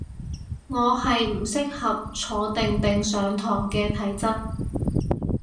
我係唔適合坐定定上堂嘅體質